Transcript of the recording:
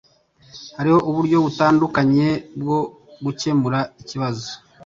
Hariho uburyo butandukanye bwo gukemura ikibazo.